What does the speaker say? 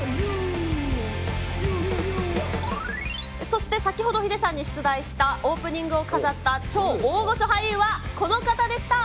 そして先ほどヒデさんに出題したオープニングを飾った超大御所俳優はこの方でした。